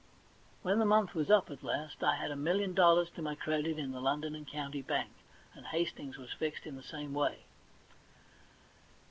p 34 THE £1,000,000 BANK NOTE Wlien the month was up, at last, I had a milKon dollars to my credit in the London and County Bank, and Hastmgs was fixed in the same way.